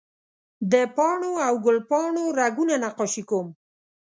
د پاڼو او ګل پاڼو رګونه نقاشي کوم